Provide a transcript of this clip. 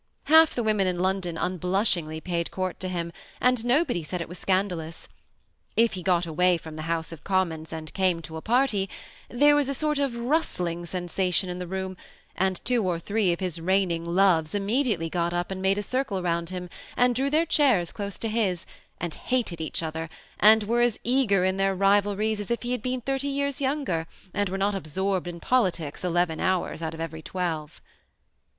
Half the women in London unblushingly paid court to him, and nobody said it was scandalous. If he got away from the House of Commons and came to a party, there was a sort of rustling sensation in the room, and two or three of his reigning loves immediately got up and made a circle round him, and drew their chairs close to his, and hated each other, and were as eager in their rivalries as if he had been thirty years younger, and were not ab sorbed in politics eleven hours out of every twelve. THE SEMI ATTACHED COUPLE.